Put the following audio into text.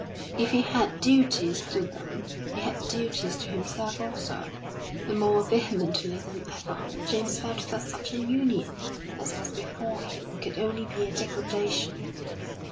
If he had duties to them, he had duties to himself also; and more vehemently than ever James felt that such a union as was before him could only be a degradation.